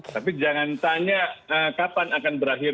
tapi jangan tanya kapan akan berakhir